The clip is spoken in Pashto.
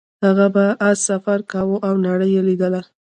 هغه په اس سفر کاوه او نړۍ یې لیدله.